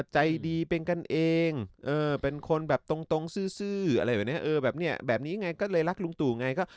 ใจดีเป็นกันเองเป็นคนแบบตรงซื่ออะไรแบบนี้แบบนี้ไงก็เลยรักลุงตู่ไง